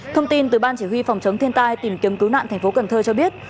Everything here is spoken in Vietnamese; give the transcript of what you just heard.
thông tin từ ban chỉ huy phòng chống thiên tai tìm kiếm cứu nạn thành phố cần thơ cho biết